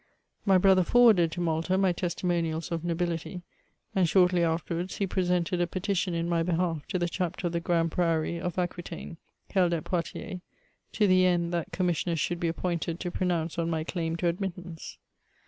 My brother forwarded to Malta my testimonials of nobility, and shortly afterwards he presented a petition in my behalf to the Chapter of the Grand Pri(»y of Aquitaine, held at Poitiers, to the end that commissioners should be appointed to pronounce on my claim to admittance.